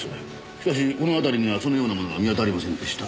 しかしこの辺りにはそのようなものは見当たりませんでした。